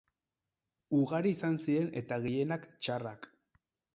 Ugari izan ziren eta gehienak txarrak.